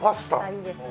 いいですね。